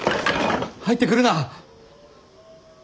入ってくるな！